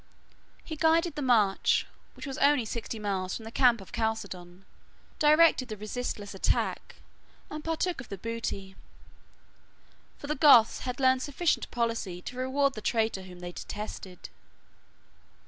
He guided the march, which was only sixty miles from the camp of Chalcedon, 112 directed the resistless attack, and partook of the booty; for the Goths had learned sufficient policy to reward the traitor whom they detested.